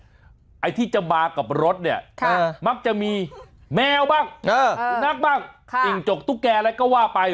ไอ้ที่จะมากับรถเนี่ยมักจะมีแมวบ้างสุนัขบ้างจิ่งจกตุ๊กแก่อะไรก็ว่าไป